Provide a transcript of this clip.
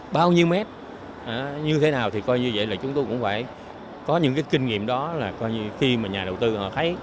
bao nhiêu mét như thế nào thì coi như vậy là chúng tôi cũng phải có những cái kinh nghiệm đó là coi như khi mà nhà đầu tư họ thấy